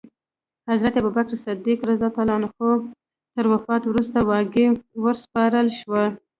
حضرت ابوبکر صدیق تر وفات وروسته واګې وروسپارل شوې.